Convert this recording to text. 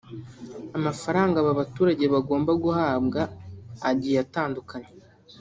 Amafaranga aba baturage bagomba guhabwa agiye atandukanye